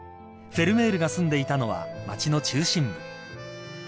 ［フェルメールが住んでいたのは町の中心部］